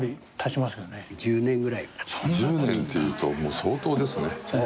１０年っていうともう相当ですね。